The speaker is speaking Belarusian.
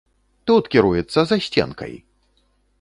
Тут кіруецца, за сценкай!